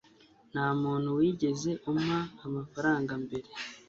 nta muntu wigeze ampa amafaranga mbere